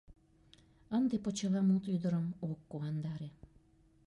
Ынде почеламут ӱдырым ок куандаре.